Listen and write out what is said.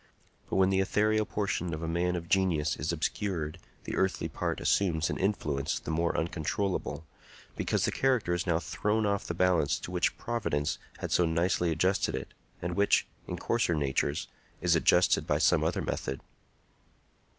But when the ethereal portion of a man of genius is obscured the earthly part assumes an influence the more uncontrollable, because the character is now thrown off the balance to which Providence had so nicely adjusted it, and which, in coarser natures, is adjusted by some other method.